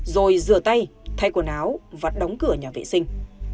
rồi rửa tay thay quần áo và đóng cửa nhà vệ sinh